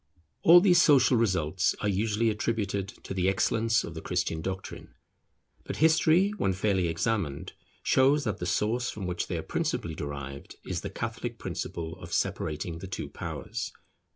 All these social results are usually attributed to the excellence of the Christian doctrine; but history when fairly examined shows that the source from which they are principally derived is the Catholic principle of separating the two powers.